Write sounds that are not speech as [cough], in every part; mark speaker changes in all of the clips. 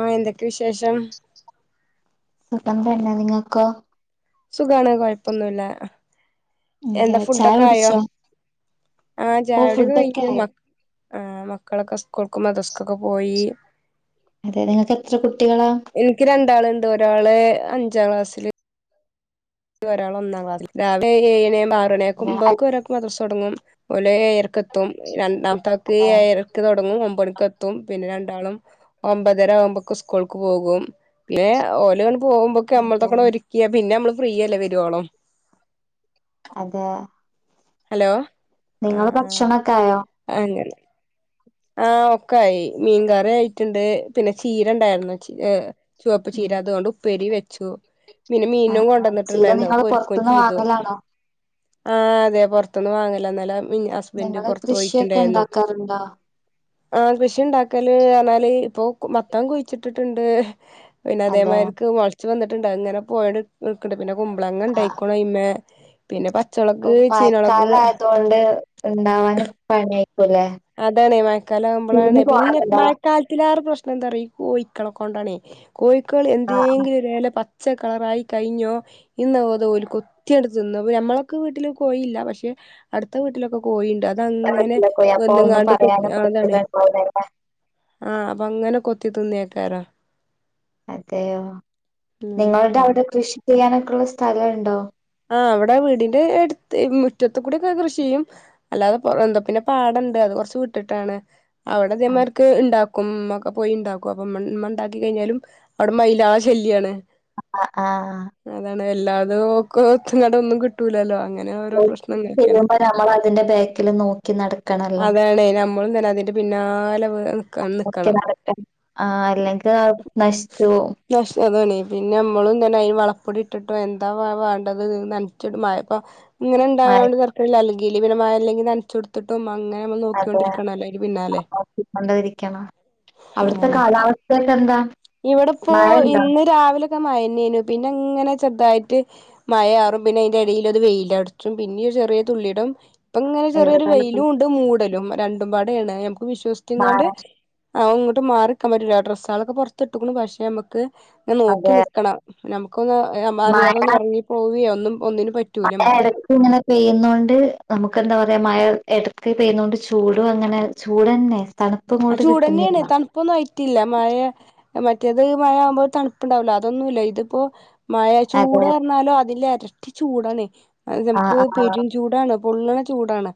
Speaker 1: ആ എന്തൊക്കെ വിശേഷം
Speaker 2: സുഖം തന്നെ നിങ്ങക്കോ ക്കൊ
Speaker 1: സുഖമാണ് കൊഴപ്പൊന്നുല്ല എന്താ
Speaker 2: ചായ
Speaker 1: ഫുഡൊക്കെ ആയോ
Speaker 2: കുടിച്ചോ
Speaker 1: ആ
Speaker 2: ഓ
Speaker 1: ചായ
Speaker 2: ഫുഡൊക്കെ
Speaker 1: കുടിയൊക്കെകഴിഞ്ഞു
Speaker 2: ആയി
Speaker 1: മക്ക ആ മക്കളൊക്കെ സ്കൂൾക്കും മദ്രസ്ക്കൊക്കെ പോയി
Speaker 2: അതെ നിങ്ങക്ക് എത്ര കുട്ടികളാ
Speaker 1: ഒണ്ടാളുണ്ട് ഒരാള് അഞ്ചാം ക്ലാസ്സില് ഒരാ ഒന്നാം ക്ലാസ് രാവിലെ ആറണികാമ്പോക്ക് ഓര്ക്ക്മദ്രസോടങ്ങും. ഓലെർക്കെത്തും ര ണ്ടാമത്തെ ആക്ക് എയരക്ക്തൊടങ്ങും ഒ [unintelligible] പിന്നെ രണ്ടാളും ഒമ്പതര ആകുമ്പക്ക് സ്കൂൾക്ക് പോകും. പിന്നെ [unintelligible] പോകുമ്പൊക്കെ [unintelligible] ഒരുക്കിയ പിന്നെ നമ്മള് ഫ്രീയല്ലേ വരോളം.
Speaker 2: അതേ.
Speaker 1: ഹലോ?
Speaker 2: നിങ്ങള്
Speaker 1: ആഹ് ആഹ്
Speaker 2: ഭക്ഷണൊക്കെ ആയോ?
Speaker 1: ആ ഒക്കെ ആയി മീൻകറി ആയിട്ടുണ്ട്. പിന്നെ ചീര ഉണ്ടായിരുന്നു ചീ ചുവപ്പ് ചീര
Speaker 2: ഉം.
Speaker 1: അതുകൊണ്ട് ഉപ്പേരി വെച്ചു. പിന്നെ
Speaker 2: ആ
Speaker 1: മീനും
Speaker 2: ആ
Speaker 1: കൊണ്ട്
Speaker 2: ചീര
Speaker 1: വന്നിട്ടുണ്ടായിരുന്നു.
Speaker 2: നിങ്ങള്
Speaker 1: അതൊക്കെ ഒരുക്കും
Speaker 2: പുറത്തുന്ന്
Speaker 1: ചെയ്തു.
Speaker 2: വാങ്ങലാണോ
Speaker 1: ആഹ് അതെ പുറത്തൊന്നും വാങ്ങലാണ്
Speaker 2: നിങ്ങള് കൃഷിയൊക്കെ ഉണ്ടാക്കാറുണ്ടോ
Speaker 1: ആ കൃഷി ഉണ്ടാക്കല് ആാല് ഇപ്പൊ മത്തം കുഴിച്ചിട്ടിട്ടുണ്ട് പിന്നെ
Speaker 2: അതെ
Speaker 1: അതേമാർക്ക് വച്ച് വന്നിട്ടുണ്ട് അങ്ങനെ പോയ് പിന്നെ കുമ്പളങ്ങ ഉണ്ടായിക്കോ ഇ്മേ പിന്നെ പ
Speaker 2: ഓ മഴക്കാലം ആയതുകൊണ്ട് ഉണ്ടവാൻ പണിയായി
Speaker 1: അതണേ മഴക്കാലം ആവുമ്പോളാണേ പിന്നെ
Speaker 2: പോവാറുണ്ടോ
Speaker 1: മഴക്കാലത്തില ആ പ്രശ്ന എന്താ പറ കോഴിക്കളെ കൊണ്ടാണ് കോ പക്കൾ
Speaker 2: ആ
Speaker 1: എന്തെങ്കിലും ഒ പ പച്ച കളറായി കഴിഞ്ഞോ ഇന്ന തപോല കൊത്തിയ എടുത്ത് തിന്ന ഞമ്മളൊക്കെ വീട്ടിൽ കൊയില്ല പക്ഷെ അടുത്ത വീട്ടിലൊക്കെ പോയിണ്ട്
Speaker 2: അപ്പറത്തെ
Speaker 1: അതങ്ങനെ
Speaker 2: വീട്ടിലൊക്കെ പോയി അപ്പൊ ഒന്നും
Speaker 1: വന്നുങ്ങാണ്ട്
Speaker 2: പറയാന
Speaker 1: കൊത്തി
Speaker 2: പറ്റത
Speaker 1: അതാണേ
Speaker 2: പോലല്ലെ
Speaker 1: ആഹ് അപ്പൊ അങ്ങനെ കൊത്തി തിന്നിയക്കാര
Speaker 2: അതെയോ നിങ്ങളുടെ
Speaker 1: അതെ
Speaker 2: അവിടെ കൃഷി ചെ ള്ള സ്ഥലണ്ടോ?
Speaker 1: ആ അവിടെ വീടിന്റെ അടുത്ത് മുറ്റത്ത കൂടിക്കെ കൃഷി ചെയ്യും അല്ലാതെ എന്താ പിന്നെ പാടുണ്ട് അത് കുറച്ച് വിട്ടിട്ടാണ് അവിടെ
Speaker 2: ആ
Speaker 1: അതേമാർക്ക് ഒക്കെ പോയി ഉണ്ടാക്കും അപ്പൊ മ മണ്ടാക്കി കഴിഞ്ഞാലും അവിടെ മയിലാള ശല്യാണ്.
Speaker 2: അ അ ആ
Speaker 1: അതാണ് എല്ലാതും കൊത്ത കട ഒന്നും കിട്ടൂലല്ലോ [inaudible] അങ്ങനെ ഓരോ പ്രശ്നം നിക്കണ്
Speaker 2: ചെയ്യുമ്പോ നമ്മളതിന്റെ ബാക്കില് നോക്കി നടക്കണല്ലോ.
Speaker 1: അതാണേ നമ്മളും തന്നെ അതിന്റെ പിന്നാലെ നിക്കണം
Speaker 2: ആ അല്ലെങ്കിൽ നശിച്ചു പോകും
Speaker 1: നഷ് അതാണ് പിന്നെ നമ്മളിങ്ങനെ അതിന് വളപ്പൊടി ഇട്ടിട്ടും എന്താ വേണ്ടത് നനച്ചിട്ടും മഴപ്പോ ഇങ്ങനെ
Speaker 2: മഴ
Speaker 1: ഉണ്ടായോണ്ട് തരക്കടില്ലല്ലോ ഗിലിപ [inaudible] നമായ അല്ലെങ്കിൽ നനച്ചൊടുത്തിട്ടും അങ്ങനെ നമ്മൾ
Speaker 2: അതെ
Speaker 1: നോക്കിക്കൊണ്ടിരിക്കണല്ലോ അയിന്റെ പിന്നാലെ
Speaker 2: നോക്കി കൊണ്ടിരിക്കണം അവിടുത്തെ
Speaker 1: അതാണ്
Speaker 2: കാലാവസ്ഥ പിന്നെന്താ
Speaker 1: ഇവിടെപ്പോ ഇന്ന് രാവിലൊക്കെ മഴനേനു പിന്നെ ഇങ്ങനെ ചെറുതായിട്ട് മഴ ചാറും പിന്നെ അതിന്റെ ഇടയിൽ ഒരു വെയില് തെറിക്കും പിന്നെ ചെറിയ തുള്ളിടും തുള്ളിയിടം ഇപ്പൊ ഇങ്ങനെ ചെറിയൊരു
Speaker 2: ഇവിടെപ്പോ
Speaker 1: വെയിലും ഉണ്ട് മൂടലും രണ്ടും പാടയാണ്
Speaker 2: മഴ
Speaker 1: വിശ്വസിക്കുന്നോണ്ട് അവ- മാറിക്കാൻ പറ്റില്ല ഡ്രസ്സാളൊക്കെ പുറ- തൊട്ട [inaudible] ക്ക പക്ഷേ നമുക്ക് ഇങ്ങനെ നോക്കി
Speaker 2: അതെ
Speaker 1: നിക്കണം നമുക്ക് നമുക്ക്
Speaker 2: മഴ
Speaker 1: അറിയാതൊന്ന് ഉറങ്ങിപ്പോകവയേ ഒന്നും ഒന്നിനും പറ്റൂല
Speaker 2: മഴ
Speaker 1: നമുക്ക്
Speaker 2: ഇടക്ക് ഇങ്ങനെ പെയ്യുന്നോണ്ട് നമുക്ക് എന്താ പറയാ മഴ ഇടക്ക് പോയ്യുന്നോണ്ട് ചൂട് അങ്ങനെ ചൂട് തന്നെ
Speaker 1: ആ ചൂടന്നെയാണ് തണുപ്പൊന്നും ആയിറ്റില്ല മഴ മറ്റേത് മഴ ആവുമ്പോൾ തണുപ്പുണ്ടാവലോ അതൊന്നുമില്ല ഇതിപ്പോ മഴ
Speaker 2: അതെ
Speaker 1: ചൂട് പറഞ്ഞാലോ അതില് ഇരട്ടി ചൂടാണ്
Speaker 2: ആഹ്
Speaker 1: നമുക്ക്
Speaker 2: ആഹ്
Speaker 1: പെരും ചൂടാണ് പൊള്ളണചൂട്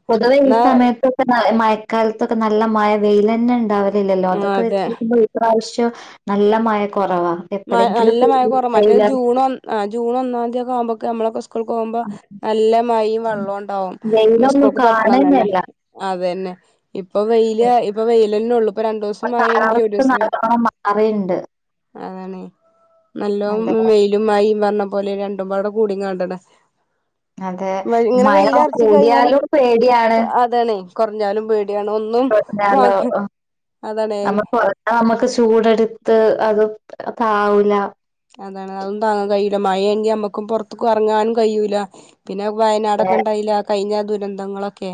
Speaker 2: പൊതുവെ ഈ സമയത്തൊക്കെ മഴക്കാലത്തൊക്കെ നല്ല മഴ വെയിൻ തന്നെ ഇന്ന് ഉണ്ടാവ- ഇല്ലല്ലോ
Speaker 1: ആ
Speaker 2: അതൊക്കൊ വെച്ച്
Speaker 1: അതെ
Speaker 2: നോക്കുമ്പ ഇപ്രാവശ്യം നല്ല മഴ കൊറവാ.
Speaker 1: മ
Speaker 2: എപ്പളെങ്കിലും
Speaker 1: നല്ല മഴ കുറവ മറ്റേ
Speaker 2: പെയ്യുന്ന
Speaker 1: ജൂൺ ജൂൺ ഒന്നാംീയതിയക്കെ ആവുമ്പോ കനമ്മളൊക്കെ സ്കൂൾക്ക് പോകുമ്പോ നല്ല മഴയും വെള്ളം ഉണ്ടാാവും
Speaker 2: വെയിലൊന്നും
Speaker 1: സ്കൂൾക് തുറക്കണം തന്നെ
Speaker 2: കാണന്നല്ല.
Speaker 1: അത തന്നെ ഇപ്പൊ വെയില്യ ഇപ്പൊ വെയി നെനൊള്ളൂ
Speaker 2: പ്പ കാലാവസ്ഥ നല്ലോണം മാറിണ്ട്.
Speaker 1: അതാണേ നല്ലോ
Speaker 2: അതെ
Speaker 1: മെയിലുമായി വർണ പോലെ രണ്ടുപാടെ കൂടിം കണടെ.
Speaker 2: അതെ മയം കൂടിയാലും പേടിയാണ്
Speaker 1: കൊറഞ്ഞാലും പേടി
Speaker 2: അലോ
Speaker 1: അതാണ്
Speaker 2: നമ്മക്ക് നമ്മെക്ക് ചൂടെടുത്ത് അതും. അതാവുല
Speaker 1: മഴെങ്കി നമ്മെക്കും പുറത്തുക്കും ഇറങ്ങാൻ കഴിയൂല. പിന്നെ വയനാടൊക്കെ ഉണ്ടായില്ല. കഴിഞ്ഞാ ദുരന്തങ്ങളൊക്കെ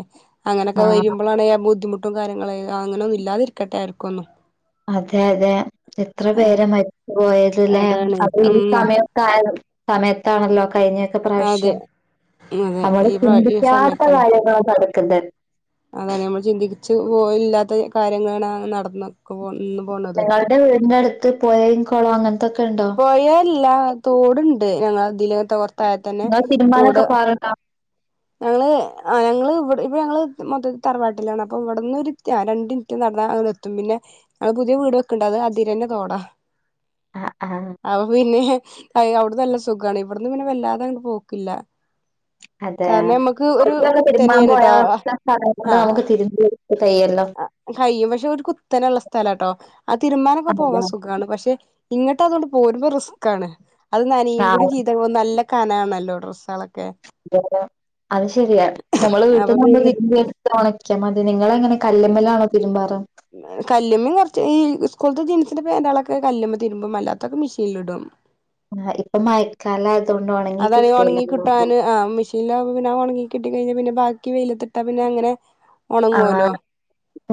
Speaker 1: അങ്ങനെക്കെ
Speaker 2: ആഹ്.
Speaker 1: വരുമ്പോളാണ് ആ ബുദ്ധിമു ഡും കാര്യങ്ങളേ അങ്ങനൊന്നും ഇല്ലാതിരിക്കട്ടെ ആർക്കൊന്നും.
Speaker 2: അതെ അതെ എത്ര
Speaker 1: ആ
Speaker 2: പേരാ മരിച്ചു പോയതല്ലേ.
Speaker 1: അതാണ്
Speaker 2: അത് ഈ
Speaker 1: ഉം
Speaker 2: സമയത്തായത് സമയത്താണല്ലോ കഴിഞ്ഞെക്കെ
Speaker 1: അതെ
Speaker 2: പ്രാവശ്യം
Speaker 1: അതെ
Speaker 2: നമ്മള്
Speaker 1: ഈ പ്രാ
Speaker 2: ചിന്തിക്കാത്ത കാര്യങ്ങള് നട യെന്തെൻ
Speaker 1: അങ്ങെനെ നമ്മള് ചിന്തിച്ച് പോയില്ലാത്തേ. കാര്യങ്ങളാണ് നടന്നൊക്ക പോണ്
Speaker 2: ഞങ്ങെൾടെ വീടിന്റെ അടു ത്ത് പൊയയും കൊളവുയങ്ങനെ
Speaker 1: പൊയല്ല തോടുണ്ട് ഞങ്ങളതിലേത്തെവർ
Speaker 2: ന്നാ തീരുമാനൊക്കെ പറാട്ട
Speaker 1: ഞങ്ങെള് ആ ഞങ്ങെള് ഇവട് ഇവെടെ ഞങ്ങള് മൊത്തത്തി തറവാട്ടിലാണ്. അപ്പൊ ഇവെടെന്നൊര് രണ്ടിമിറ്റ് നടന്നാവെടെയെത്തും. പിന്നെ ഞാ പുതിയ വീട് വെക്കുണ്ട്. അത് അതിരന്നെ തോടാ.
Speaker 2: ആ ആ
Speaker 1: അപ പിന്നെ ഐ അവെടെന്ന് നല്ല സുഖ്വാണ്. ഇവെടന്ന് പിന്നെ വെല്ലാതെങ്ങ് പോക്കില്ല.
Speaker 2: അതെ.
Speaker 1: കാരണം നമ്മക്ക് ഒരു
Speaker 2: കുട്ടികളെ തിരുമ്പാ
Speaker 1: കുത്തനെയാണ്
Speaker 2: പോയാ ഒറ്റ സാധാനം കൊണ്ട് നമ്മൊക്ക് തിരുമ്പി കഴിയല്ലോ
Speaker 1: ആ കയ്യും പക്ഷെ ഒരു കുത്തലൊള്ള സ്ഥലവാട്ടോ. ആ തിരുമാനൊക്കെ
Speaker 2: അതെ
Speaker 1: പോവാൻ സുഖ്വാണ് പക്ഷെ. ഇങ്ങട്ട് അതുകൊണ്ട് പോരുമ്പോ റിസ്കാണ്.
Speaker 2: ആ
Speaker 1: [unintelligible] കനണല്ലോ ഡ്രസോള
Speaker 2: അ അത് ശെരിയ നമ്മള്
Speaker 1: അപ്പൊ
Speaker 2: വീട്ട്ന്നാവുമ്പോ
Speaker 1: പിന്നെ
Speaker 2: ഇത് എടുത്ത് ഉണക്കിയാ മതി. നിങ്ങള് എങ്ങനെ കല്ല്മ്മലാണോ തിരുബാറ്.
Speaker 1: കല്മ്മീ കുറച്ച് ഈ സ്‌കൂ പോലത്തെ ജീൻസിന്റെ പാന്റളൊക്കെ കല്ലുമ്മേ തിരുബും അല്ലത്തൊക്കെ മെഷീനിലിടും.
Speaker 2: ആ ഇപ്പൊ മഴക്കാലയ
Speaker 1: അതാണെ ഉണങ്ങി കിട്ടാന് ആ മെഷീൻലാവുബോ പിന്നെ ആ ഉണങ്ങി കിട്ടി കഴിഞ്ഞ പിന്നെ ബാക്കി വെയിലത്തിട്ട പിന്നെ അങ്ങനെ
Speaker 2: ആ
Speaker 1: ഒണങ്ങുവല്ലോ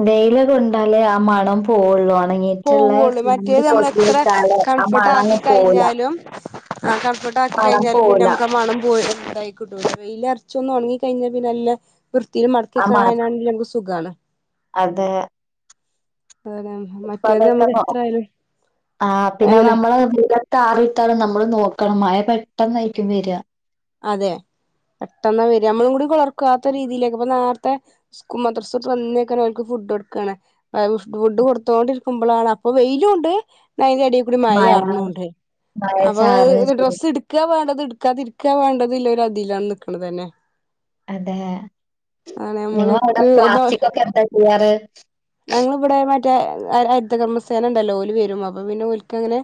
Speaker 2: വെയിൽ കൊണ്ടാലേ ആ മണം പോവുള്ളു
Speaker 1: പോവുള്ളു മറ്റേത് നമ്മള് എത്ര
Speaker 2: വെച്ചാല് ആ
Speaker 1: കൺഫേർട്ട്
Speaker 2: മണം അങ്ങ്
Speaker 1: ആക്കി
Speaker 2: പോവൂല
Speaker 1: കഴിഞ്ഞാലും ആ കൺഫേർട്ട് ആക്കി
Speaker 2: മണം
Speaker 1: കഴിഞ്ഞാലും പിന്നെ
Speaker 2: പോവൂല
Speaker 1: നമുക്ക് ആ മണം പോ തായി കിട്ടൂല വെയിലറച്ചൊന്ന് ഉണങ്ങി കഴിഞ്ഞാ പിന്നെ നല്ല വൃത്തീല്
Speaker 2: ആ മണം
Speaker 1: മടക്കിക്കാനണാങ്കി നമ്മക്ക് സു സുഖാണ്.
Speaker 2: അതെ.
Speaker 1: [unintelligible]
Speaker 2: ഇപ്പ അതൊക്കെ
Speaker 1: നമുക്ക്
Speaker 2: നോ
Speaker 1: എത്ര ആയാലും
Speaker 2: ആ പിന്നെ
Speaker 1: എങ്ങനെ
Speaker 2: നമ്മള് വെയിലത്ത് ആറിയിട്ടാലും നമ്മള് നോ മഴ പെട്ടെന്നായിരിക്കും വരാ
Speaker 1: അതെ പെട്ടെന്നാ വരാ നമ്മളും കൂടി ഓർക്കാത്ത രീതിയിലേക്ക് അപ്പ നേരത്തെ മദ്രസുട്ട് വന്നേക്കെന്നെ ഓൽക്ക് ഫുഡ് കൊടുക്കാണ് ഫുഡ് കൊടുത്തോണ്ടിരിക്കുമ്പളാണ് അപ്പൊ വെയിലുണ്ട് അയിന്റെ എടി കൂടി മയ
Speaker 2: മഴ
Speaker 1: ചാറുണുണ്ട്‌
Speaker 2: മഴ
Speaker 1: അപ്പൊ
Speaker 2: ചാറുകയും ചെയ്യും
Speaker 1: ഡ്രസ്സ് ഇടുക്കാ വേണ്ടത് എടുക്കാതിരി ക്കെ വേണ്ടത് ല്ല ഒര് അതിലാണ് നിക്കണത് തന്നെ.
Speaker 2: അതെ
Speaker 1: ആണ്
Speaker 2: നിങ്ങളെ അവിടെ
Speaker 1: നമ്മൾക്ക്
Speaker 2: പ്ലാസ്റ്റിക് ഒക്കെ എന്താ ചെയ്യാറ്? [unintelligible]
Speaker 1: ഞങ്ങിവിടെ മറ്റേ ഹരിത കർമ്മ സേന ഉണ്ടല്ലോ ഓല് വരും അപ്പൊ പിന്നെ ഓൽക്ക അങ്ങനെ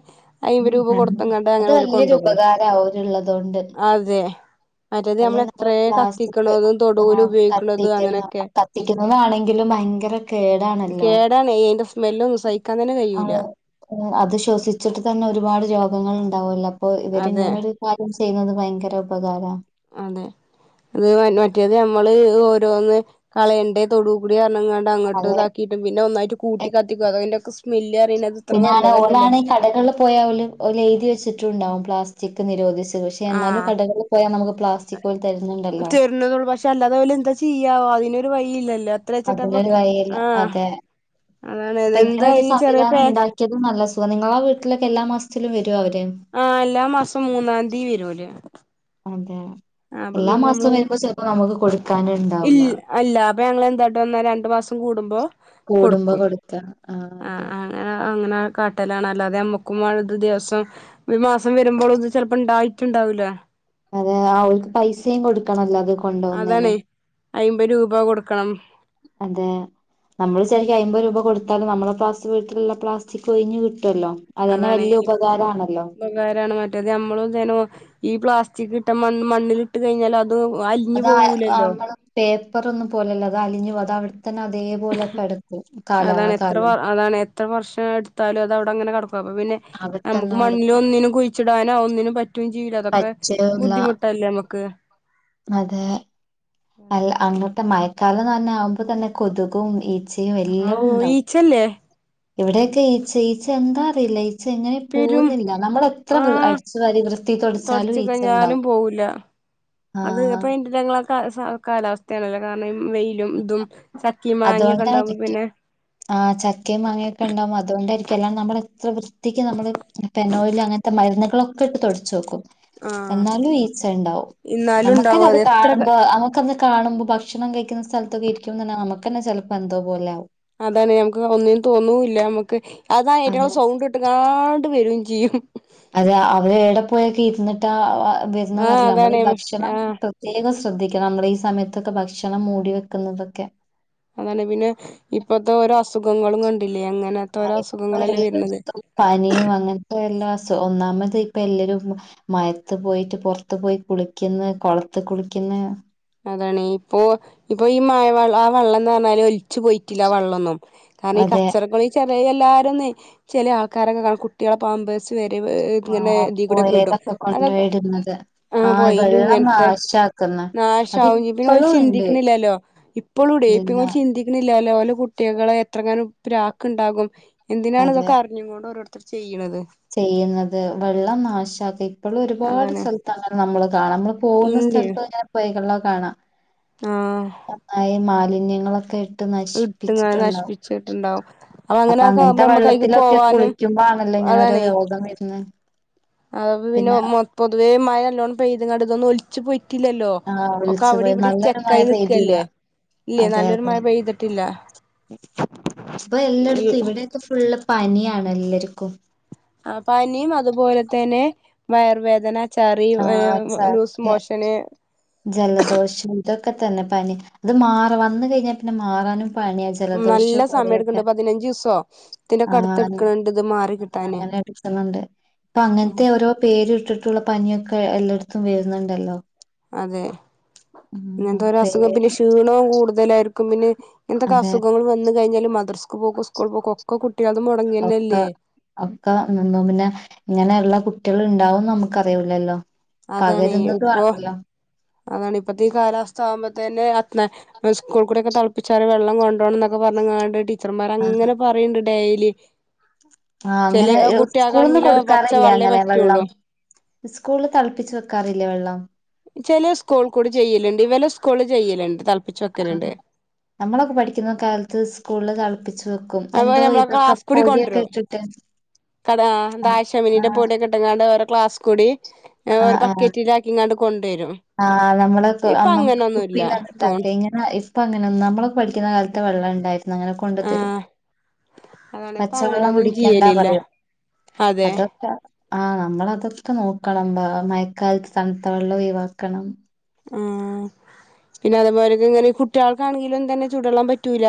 Speaker 1: അയ്മ്പത് രൂപ
Speaker 2: ആ
Speaker 1: കൊടുത്തങ്ങാണ്ട്
Speaker 2: അത്
Speaker 1: അങ്ങനെ ഓല്
Speaker 2: വലിയൊരു
Speaker 1: കൊണ്ടോകും
Speaker 2: ഉപകാര ഓൽ ഉള്ളതോണ്ട്.
Speaker 1: അതെ മറ്റേത്
Speaker 2: അല്ലെ
Speaker 1: നമ്മള്
Speaker 2: നമ്മൾ
Speaker 1: എത്രേ
Speaker 2: പ്ലാസ്റ്റിക്
Speaker 1: കത്തിക്കണതും
Speaker 2: ആ
Speaker 1: തൊടുവില് ഉപയോഗിക്കണതും
Speaker 2: കത്തിക്കുന്ന
Speaker 1: അങ്ങനെയൊക്കെ
Speaker 2: കത്തിക്കുന്നതാണെങ്കിലും ഭയങ്കര കേ
Speaker 1: കേടാണെ അയിന്റെ സ്
Speaker 2: ആ അത് ശ്വസിച്ചിട്ട് തന്നെ ഒരുപാട് രോ ഖങ്ങൾ ഉണ്ടാവുല്ലോ. ഇപ്പം
Speaker 1: അതെ
Speaker 2: ഇവരിങ്ങനെ ഒരു കാര്യം ചെയ്യുന്നത് ഭയങ്കര ഉപകാരാ
Speaker 1: അതെ അത് മറ്റേത് ഞമ്മള് ഓരോന്ന് കളയെണ്ടേ തൊടൂ കൂടി അ ങ്ങാണ്ട് അങ്ങോട്ട്
Speaker 2: അതെ
Speaker 1: ഇതാക്കിട്ടും പിന്നെ ഒന്നായിട്ട് കൂട്ടി കത്തിക്കും അതിന്റെക്കെ സ് മെൽ
Speaker 2: പിന്നെ ആള് ഓളാണ് കടകളിൽ പോയാല് എഴുതി വെച്ചിട്ടുണ്ടാകും പ്ലാസ് ചിക്ക് നിരോധിച്ച് പക്ഷെ എന്നാലും
Speaker 1: ആഹ്
Speaker 2: കടകളിൽ പോയാൽ നമുക്ക് പ്ലാസ്റ്റിക് ഓല് തരുന്നുണ്ടല്ലോ
Speaker 1: തരണത് പക്ഷെ അല്ലാതെ ഓല് എന്താ ചെയ്യാ അതിന് വയില്ലല്
Speaker 2: അതിനൊരു വഴില്ല അതെ
Speaker 1: അതാണ്
Speaker 2: ഇപ്പൊ ഇങ്ങനെ
Speaker 1: എന്താ
Speaker 2: ഒരു
Speaker 1: ഈ ചെറിയ
Speaker 2: സംവിധാനം
Speaker 1: പേ
Speaker 2: ഇണ്ടാക്കിയത് നല്ല സുഖം നിങ്ങളെ വീട്ടിലൊക്കെ എല്ലാ മാസ ച്ചാലും വരും
Speaker 1: ആഹ് എല്ലാ മാസം മൂന്നാതീ വരൂല്
Speaker 2: അതെ
Speaker 1: ആഹ് അപ്പൊ
Speaker 2: എല്ലാ
Speaker 1: പിന്നെ
Speaker 2: മാസവും
Speaker 1: നമ്മള്
Speaker 2: വരുമ്പോ ചിലപ്പോ നമുക്ക്
Speaker 1: ഇൽ
Speaker 2: കൊടുക്കാനുണ്ടാവില്ല
Speaker 1: അല്ല അപ്പൊ ഞങ്ങള് എന്താട്ട് ന്നേരം രണ്ടു മാസം കൂടുമ്പോ
Speaker 2: കൂടുമ്പോ
Speaker 1: കൊടുക്കും
Speaker 2: കൊടുക്ക ആ അതെ
Speaker 1: ആഹ് അങ്ങനെ കാട്ടലാണ് അല്ലാതെ നമ്ക്ക [unintelligible] ദിവസം ഒരു മാസം വരുമ്പോള് ഇത് ചെലപ്പോ ഇണ്ടായിട്ടുണ്ടാവൂല
Speaker 2: അതെ അവർക്ക് പൈസയും കൊടുക്കണല്ലോ അത് കൊണ്ട് പോന്നേന്
Speaker 1: അതാണ് അയ്മ്പത് രൂപ കൊടുക്കണം
Speaker 2: അതെ നമ്മള് വിചാരിക്കും അയ്മ്പത് രൂ കൊടുത്താല് നമ്മുടെ പ്ലാസ്റ്റിക് വീട്ടിലുള്ള പ്ലാസ്റ്റിക് ഒഴിഞ്ഞ് കി
Speaker 1: അതാണേയ് ഉപകാരാണ് മറ്റേത് നമ്മളുംതന്നെ ഈ പ്ലാസ് കിട്ട മണ്ണിലിട്ട് കഴിഞ്ഞാൽ അത് അലിഞ്ഞു
Speaker 2: അതാ ആ
Speaker 1: പോവൂലല്ലോ
Speaker 2: നമ്മള് പേ പറൊന്നും പോലല്ല അതലിഞ്ഞു പോ അതവി തന്നെ അതേപോലെ കടക്കും
Speaker 1: അതാണ് എത്ര വ
Speaker 2: കാലാകാലം.
Speaker 1: അതാണ് എത്ര വർഷ എടുത്താലും അതവിടെ അങ്ങനെ അപ്പ പിന്നെ
Speaker 2: അവിടെ
Speaker 1: നമുക്ക്
Speaker 2: തന്നെ
Speaker 1: മണ്ണില്
Speaker 2: കിടക്കും
Speaker 1: ഒന്നിനും കുഴി ടാനോ ഒന്നിനും പ റ്റും ചെയ്യൂല അതൊക്കെ ബുദ്ധിമുട്ടല്ലേ നമ്മക്ക്.
Speaker 2: അതേ. അല്ല അങ്ങോട്ട മയ കല നഞ്ഞാ ആപ്പൊതന്നെ കൊതുകും ഈ
Speaker 1: ആവൂ ഈച്ചല്ലേ?
Speaker 2: ഇവിടെയൊക്കെ ഈച്ച ഈച്ച എന്താ അറിയില്ല ഈ ച്ച എങ്ങനെ
Speaker 1: പെരും
Speaker 2: പോവുന്നില്ല നമ്മളെത്ര
Speaker 1: ആഹ്
Speaker 2: അടിച്ചു വാരി വൃത്തി തൊടിച്ചാലും
Speaker 1: തൊടച്ച് കഴിഞ്ഞാലും
Speaker 2: ഈച്ചണ്ടാവും
Speaker 1: പോവൂല
Speaker 2: ആഹ്.
Speaker 1: കാലാ സാ കാലാവസ്ഥയാണല്ല കാരണം ഈ
Speaker 2: അതു
Speaker 1: ഉണ്ടാവുമ്പോ
Speaker 2: കൊണ്ടായിരിക്കും
Speaker 1: പിന്നെ
Speaker 2: ആ ചക്കയും മാങ്ങൊക്കെ ഒണ്ടാവോ അതുകൊണ്ടായിരി ല്ലാം നമ്മുടെ എത്ര ക്ക് നമ്മള് പെനോയിൽ അങ്ങനത്തെ മരുന്നുകളൊ ട്ട് തൊടച്ച് നോക്കും. എന്നാലും ഈച്ച ണ്ടാവും
Speaker 1: ഇന്നാലും
Speaker 2: നമ്മുക്ക്ന്നെ
Speaker 1: ഉണ്ടാവും
Speaker 2: അത്
Speaker 1: എത്ര
Speaker 2: കാണുമ്പോ നമുക്കന്ന് കാണുമ്പോ ഭക്ഷ ക്ഷണം കഴിക്കുന്ന സ് സ്ഥലത്തക്കെ ഇരിക്കും നുക്കന്നെ ചിലപ്പോ എന്തോ പോലൊവും
Speaker 1: അതന്നെ ന മക്ക് ഒന്നിനും തോന്നൂല്ല നമ്മക്ക്
Speaker 2: ആവും
Speaker 1: അതാഅയ്റ്റങ്ങള്സൗണ്ട് ഇട്ട് കാണ്ട് വരും ചെ യും
Speaker 2: അതെ അവര് എവിടെ പോയൊക്കെ ഇരുന്നിട്ട് ആ വരുന്നന്ന്
Speaker 1: ആഹ്
Speaker 2: റില്ല ന മ്മൾ
Speaker 1: അതാണ്
Speaker 2: ഈ ഭക്ഷണം
Speaker 1: ആഹ്
Speaker 2: പ്രത്യേകം ശ്ര ശ്രദ്ധിക്കണം നമ്മള് ഈ സമയത്തൊക്കെ ഭക്ഷണം മൂടി വെക്കുന്നതൊക്കെ
Speaker 1: അതാണ് പിന്നെ ഇപ്പത്തെ ഓരോ അസുഖങ്ങളും കണ്ടി
Speaker 2: [unintelligible] എല്ലായിടത്തും പനിയും അങ്ങനത്തെ എല്ലാ ഒന്നാമത് ഇപ്പ എല്ലരും മയത്ത് പോയിട്ട് പുറത്ത് പോയി കുളിക്ക്ന്ന്കൊളത്ത് കുളിക്ക്ന്ന്
Speaker 1: അതാണ് വെള്ളം എന്ന് പറഞ്ഞാല് ഒലിച്ച് പോയിട്ടില്ല ആ വെള്ളന്നും കാരണം ഈ
Speaker 2: അതെ.
Speaker 1: കച്ചറക്കളി ചെറയല്ല ക്കാരൊന്ന്ചില ആൾക്കാരെക്കെ കാണാകുട്ടികളെ പാമ്പേഴ്സ് വേ
Speaker 2: ആ പോയേ ലെക്കെ കൊണ്ട്
Speaker 1: അതൊക്കെ
Speaker 2: പോയിടുന്നത് ആ വെള്ളം നാശാക്കു ന്ന്
Speaker 1: നാശാക്കും പിന്നെ ഓല് ചിന്തിക്കുന്നില്ലല്ലോ ഇപ്പളും ടെ
Speaker 2: ഇതില്ല
Speaker 1: പിന്നെ ഓല് ചിന്തിക്കുന്ന ഇല്ലല്ലോഓലെ കുട്ടികളെ എത്രങ്ങാനും പ്രാക്ക് ണ്ടാകും എന്തിനാണ്
Speaker 2: അതെ.
Speaker 1: ഇതൊക്കെ അറിഞ്ഞ് കൊണ്ട് ഓരോർ ത്രർ ചെയ്യണത്
Speaker 2: ചെയ്യുന്നത് വെള്ളം നാശാക്ക ഇപ്പോൾ ഒരുപാട്
Speaker 1: അതാണ്
Speaker 2: സ്ഥലത്ത് അങ്ങനെനമ്മൾ [unintelligible] നമ്മൾ പോകുന്ന
Speaker 1: ഇണ്ട്
Speaker 2: സ്ഥലത്ത് ഇങ്ങനെ [unintelligible] കാണാം
Speaker 1: ആഹ്
Speaker 2: [unintelligible] കുഞ്ഞ്ങ്ങളൊക്കെ
Speaker 1: ഇട്ടങ്ങ നശിപ്പിച്ചിട്ടുണ്ടാവും അപ്പൊ അങ്ങനെക്കുമ്പ നമ്മക്ക് അയിക്ക് പോവാനും അതെ
Speaker 2: പ്പം രോഗം വര്ണേ
Speaker 1: അതാ ഉപ്പംപിന്നെ മെ പൊതുവേ മഴ നല്ലോണ്ണം പെയ്ത് കാണ്ട് ഇതൊന്ന് ഒല് ചു പൊ പറ്റില്ലല്ലോ
Speaker 2: ആഹ്
Speaker 1: ഒക്കെ
Speaker 2: ഒലിച്ചു
Speaker 1: അവിടെ
Speaker 2: പോയി.
Speaker 1: ഇവിടെ
Speaker 2: നല്ലൊരു മഴ
Speaker 1: സ്റ്റ്കായി
Speaker 2: പെയ്തില്ല.
Speaker 1: നിക്കല്ലേ ഇല്ലേ നല്ലൊരു മഴ പെയ്തിട്ടില്ല
Speaker 2: [inaudible] പ്പൊ
Speaker 1: ഈ
Speaker 2: എല്ലാടത്തും ഇവിടെയൊക്കെ ഫുള്ള് പനിയാണ് എല്ലർക്കും.
Speaker 1: ആ പനിയും അതുപോലെ തന്നെ വയർ വേദന. ചറി
Speaker 2: ആഹ്
Speaker 1: ലൂസ്
Speaker 2: ചർദ്ദി
Speaker 1: മോഷന്
Speaker 2: ജലദോഷം ഇതൊക്കെ തന്നെ പനി അത് മാറും വന്ന് കഴിഞ്ഞാ പിന്നെ മാറാനും പനിയും
Speaker 1: നല്ല
Speaker 2: ജലദോഷവും
Speaker 1: സമയം
Speaker 2: കൊരയൊക്കെ
Speaker 1: എടുക്ക്ണ്ട് പതിനഞ്ച് ദിവസോ
Speaker 2: ആ
Speaker 1: ഇതിന്റെക്കെ അടുത്ത് എടുക്ക്ണ് ണ്ട് ഇത് മാറി കിട്ടാന്
Speaker 2: അങ്ങനെയൊന്നുണ്ട് ഇപ്പൊ
Speaker 1: ഉം
Speaker 2: അങ്ങനത്തെ ഓരോ പേര് ഇട്ടിട്ടുള്ള പനിയൊ ക്കേ എല്ലാടത്തും വരുന്ന്ണ്ടല്ലോ.
Speaker 1: അതെ. ഇങ്ങനത്തെ ഒരു അസുഖം
Speaker 2: പേര്
Speaker 1: പിന്നെ ക്ഷീണവും കൂടും. ഇതിലായിരിക്കും പിന്നെ എന്തൊക്കെ
Speaker 2: അതെ
Speaker 1: അസുഖങ്ങള് വന്നു കഴിഞ്ഞാലും മദ്ര പോക്ക് സ്കൂൾ പോക്കോക്കെ കു
Speaker 2: ഒക്കെ ഒക്കെ എന്നെന്നും പിന്നെ ഇങ്ങനെയള്ള കു കുട്ടികള് ഉണ്ടാവുംന്ന് നമുക്ക് അറിയൂല്ലല്ലോ.
Speaker 1: അതാണ്
Speaker 2: പകരുന്നതു
Speaker 1: ഇപ്പൊ
Speaker 2: ആണല്ലോ.
Speaker 1: അതാണ് ഇപ്പത്തെ കാലസ്ഥ ആകുമ്പോ തന്നെ സ്കൂൾ കൂടെയൊക്കെ തളപ്പിച്ചാറ് വെള്ളം കൊണ്ടോണം എന്നൊക്കെ പറഞ്ഞങ്ങാണ്ട് ടീ ടീച്ചർ മാർ
Speaker 2: ആ
Speaker 1: അങ്ങനെ പറയണ്ട്. യില്
Speaker 2: ആ അങ്ങനെ സ്കൂള്ന്ന്
Speaker 1: പച്ച
Speaker 2: കൊടുക്കാറില്ലേ
Speaker 1: വെള്ളേ
Speaker 2: അങ്ങനെ
Speaker 1: പറ്റുള്ളൂ
Speaker 2: വെള്ളം. സ്കൂളിൽ തെളപ്പിച്ച് വെക്കാറില്ലേ വെള്ളം.
Speaker 1: ചെലേ സ്കൂൾ കൂടി ചെയ്യലുണ്ട്. ഇ വിലേ സ്കൂൾ ചെയ്യലുണ്ട് തല്ം
Speaker 2: ആ നമ്മളൊക്കെ പഠിക്കുന്ന കാല ഇത് സ്കൂൾള് തെളപ്പിച്ചു
Speaker 1: അപ്പ ഞമ്മളെ ക്ലാസ് കൂടി കൊണ്ട് രോ
Speaker 2: ഇട്ടിട്ട്
Speaker 1: കട ആ
Speaker 2: ആ
Speaker 1: ദാഹ്ശമിനീടെ പൊടിയൊക്കെ ഇട്ടങ്ങാണ്ട് ഓരോ ക്ലാസ് കുടി
Speaker 2: ആ ആ ആഹ്
Speaker 1: കൊണ്ടുവരും
Speaker 2: ആ നമ്മള്ക്ക്
Speaker 1: ഇപ്പൊ
Speaker 2: മ് നമ്ക്ക്
Speaker 1: അങ്ങനൊന്നുല്ല തോണ്
Speaker 2: കുപ്പീന്റാര്ന്നാല്ത്തെ ഇങ്ങനെ ഇപ്പ അങ്ങനെ നമ്മളൊക്കെ പഠിക്കുന്ന കാലത്ത് വെള്ളം ഇണ്ടായി അങ്ങനെ കൊണ്ടു തരും.
Speaker 1: ആഹ് അതാണ് ഇപ്പ
Speaker 2: പച്ചവെള്ളം
Speaker 1: അങ്ങനൊന്നും
Speaker 2: കുടിക്കണ്ടാ
Speaker 1: ചെയ്യലില്ല
Speaker 2: പറയും
Speaker 1: അതെ
Speaker 2: അതൊക്കെ ആ നമ്മളതൊക്കെ നോ ക്കളമ്പാ മയ്ക്കാലത്ത് തണ്‌ത്ത വെള്ളം ഒയിവാക്കണം.
Speaker 1: ആ പിന്നെ അതേപോലൊക്കെ ഇങ്ങനെ കുട്ടികൾക്കാണെങ്കിലും തന്നെ ചൂടെള്ളം പറ്റൂല.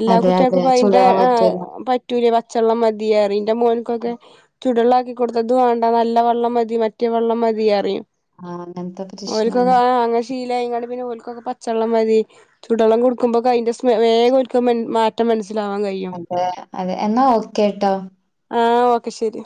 Speaker 1: എല്ലാ
Speaker 2: അതെ അതെ
Speaker 1: കുട്ടികൾക്കുംപ്പ അതിന്റെ
Speaker 2: ചൂടുവെള്ളം പറ്റൂല
Speaker 1: പറ്റൂല് പച്ചെള്ളം മതിയറിന്റെ മോൻക്കൊക്കെ ചുടുള്ള ക്കി കൊടുത്തത് വേണ്ട നല്ല വെള്ളം മതി മറ്റേ വെള്ളം മതിയ അറിയും.
Speaker 2: ആ അങ്ങനത്തെ പ്രശ്നം
Speaker 1: ക്കോ ങ്ങാനെ ശീലായിക്കാണ്ട് പിന്നെ ഓല്ക്കൊക്കെ പച്ചെള്ളം മതി ചൂടെള്ളം കൊടുക്കുമ്പോക്കെ അതിന്റെ വേഗം മാറ്റം മന
Speaker 2: അതെ അതെ എന്നാ ഓക്കെ ട്ടോ
Speaker 1: ആഹ് ഓക്കെ ശരി.